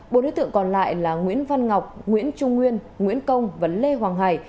bộ đối tượng còn lại là nguyễn văn ngọc nguyễn trung nguyên nguyễn công và lê hoàng hải